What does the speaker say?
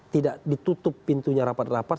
tidak ditutup pintunya rapat rapat